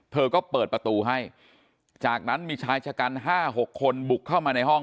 เธอก็เปิดประตูให้จากนั้นมีชายชะกัน๕๖คนบุกเข้ามาในห้อง